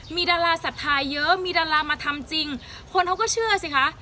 มีดาราศรัทธาเยอะมีดารามาทำจริงคนเขาก็เชื่อสิคะ